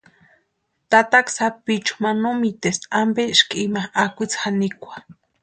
Tataka Sapichu ma no mitespti ampeski ima akwitsi janikwa.